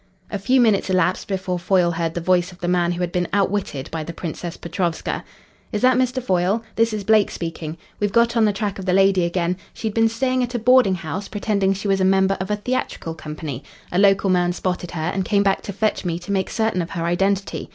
A few minutes elapsed before Foyle heard the voice of the man who had been outwitted by the Princess Petrovska. "Is that Mr. Foyle? This is Blake speaking. We've got on the track of the lady again. She'd been staying at a boarding house pretending she was a member of a theatrical company. A local man spotted her and came back to fetch me to make certain of her identity.